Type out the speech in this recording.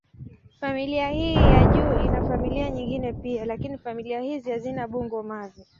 Familia hii ya juu ina familia nyingine pia, lakini familia hizi hazina bungo-mavi.